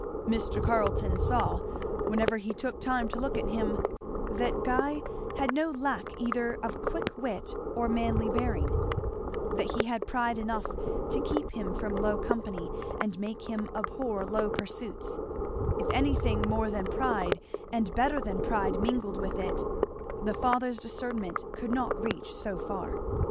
Mr. Carleton saw, whenever he took time to look at him, that Guy had no lack either of quick wit or manly bearing; that he had pride enough to keep him from low company and make him abhor low pursuits; if anything more than pride and better than pride mingled with it, the father's discernment could not reach so far.